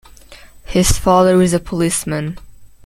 His father was a policeman.